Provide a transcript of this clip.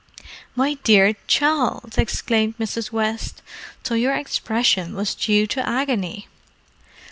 "My dear child!" exclaimed Mrs. West. "So your expression was due to agony!"